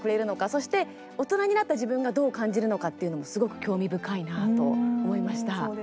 そして、大人になった自分がどう感じるのかっていうのもすごく興味深いなと思いました。